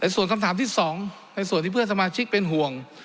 ส่วนคำถามที่๒ในส่วนที่เพื่อนสมาชิกเป็นห่วง